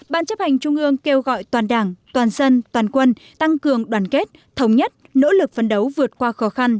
ban chấp hành trung ương kêu gọi toàn đảng toàn dân toàn quân tăng cường đoàn kết thống nhất nỗ lực phấn đấu vượt qua khó khăn